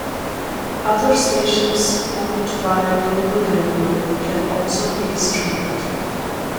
Other stations owned by Global Radio can also be streamed.